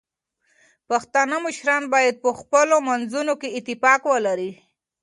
پښتانه مشران باید په خپلو منځونو کې اتفاق ولري.